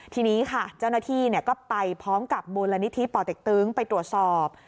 ทีนี้ค่ะเจ้าหน้าที่ก็ไปพร้อมกับมูลนิธิป่อเต็กตึงไปตรวจสอบ